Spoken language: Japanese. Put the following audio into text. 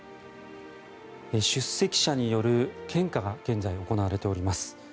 出席者による献花が現在行われています。